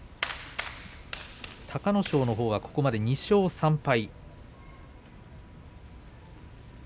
隆の勝のほうはここまで２勝３敗。